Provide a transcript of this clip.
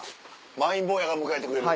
マイン坊やが迎えてくれる。